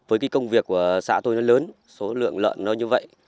với cái công việc của xã tôi nó lớn số lượng lợn nó như vậy